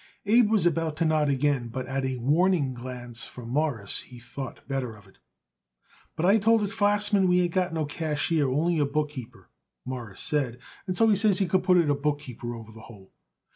Abe was about to nod again, but at a warning glance from Morris he thought better of it. "But I told it Flachsman we ain't got no cashier, only a bookkeeper," Morris said, "and so he says he could put it Bookkeeper over the hole.